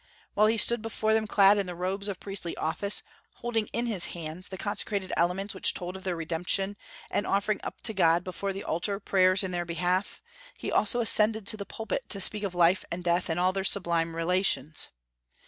While he stood before them clad in the robes of priestly office, holding in his hands the consecrated elements which told of their redemption, and offering up to God before the altar prayers in their behalf, he also ascended the pulpit to speak of life and death in all their sublime relations.